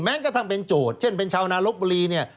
แม้งก็ทำเป็นโจทย์เช่นเป็นชาวนารกบุรีเนี่ย